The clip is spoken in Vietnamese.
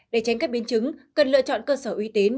để tránh các biến chứng cần lựa chọn cơ sở uy tín